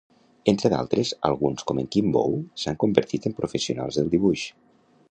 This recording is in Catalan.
Entre d'altres, alguns com en Quim Bou s'han convertit en professionals del dibuix.